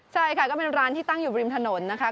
ใช่ค่ะก็เป็นร้านที่ตั้งอยู่ริมถนนนะคะ